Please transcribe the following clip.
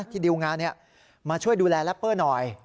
ดิวงานมาช่วยดูแลแรปเปอร์หน่อย